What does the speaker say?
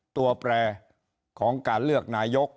ตัวแปรของการเลือกนายก